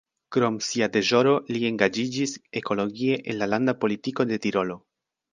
Krom sia deĵoro li engaĝiĝis ekologie en la landa politiko de Tirolo.